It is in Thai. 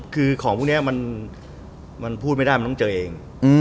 คือของพวกนี้มันพูดไม่ได้มันต้องเจอเอง